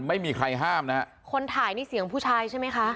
ไม่มีใครห้ามนะฮะคนถ่ายนี่เสียงผู้ชายใช่ไหมคะ